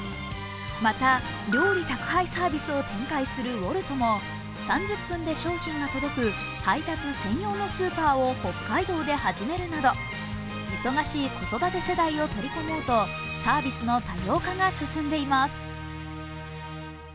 また、料理宅配サービスを展開するＷｏｌｔも３０分で消費が届く配達専用のスーパーを北海道で始めるなど忙しい子育て世代を取り込もうとサービスの多様化が進んでいます。